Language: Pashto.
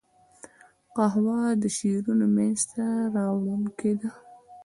قهوه د شعرونو منځ ته راوړونکې ده